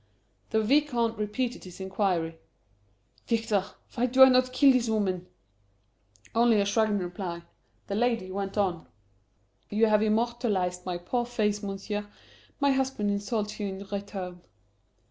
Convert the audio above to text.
The Vicomte repeated his inquiry: "Victor, why do I not kill this woman?" Only a shrug in reply. The lady went on: "You have immortalized my poor face, Monsieur; my husband insults you in return."